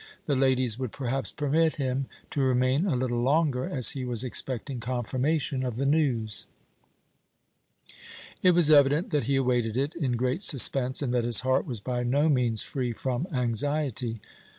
The ladies would perhaps permit him to remain a little longer, as he was expecting confirmation of the news. It was evident that he awaited it in great suspense, and that his heart was by no means free from anxiety.